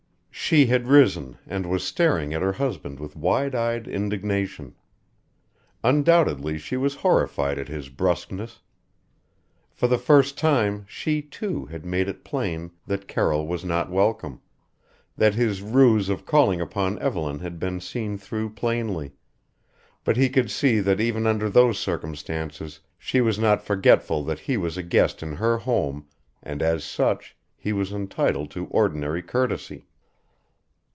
She had risen and was staring at her husband with wide eyed indignation. Undoubtedly she was horrified at his brusqueness. For the first time, she, too, had made it plain that Carroll was not welcome that his ruse of calling upon Evelyn had been seen through plainly but he could see that even under those circumstances she was not forgetful that he was a guest in her home and, as such, he was entitled to ordinary courtesy.